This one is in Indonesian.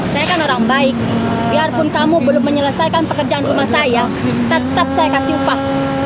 saya kan orang baik biarpun kamu belum menyelesaikan pekerjaan rumah saya tetap saya kasih upah